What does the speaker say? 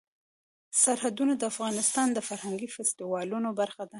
سرحدونه د افغانستان د فرهنګي فستیوالونو برخه ده.